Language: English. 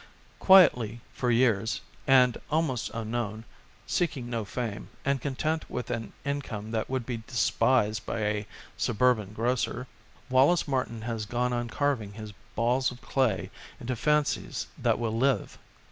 Quietly, for years, and almost unknown, seeking no fame, and content with an income that would be despised by a suburban grocer, Wallace Martin has gone on carving his balls of clay into fancies that will live.